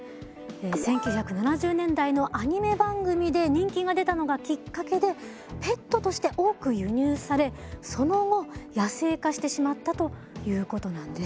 １９７０年代のアニメ番組で人気が出たのがきっかけでペットとして多く輸入されその後野生化してしまったということなんです。